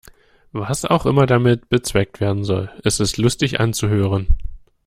Was auch immer damit bezweckt werden soll, es ist lustig anzuhören.